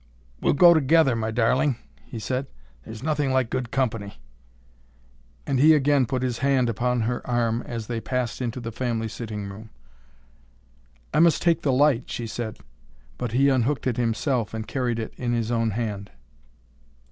"We'll go together, my darling," he said. "There's nothing like good company." And he again put his hand upon her arm as they passed into the family sitting room. "I must take the light," she said. But he unhooked it himself, and carried it in his own hand.